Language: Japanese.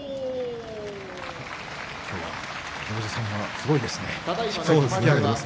今日は行司さんがすごいですね。